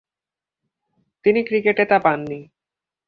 তিনি ক্রিকেটে তা পাননি।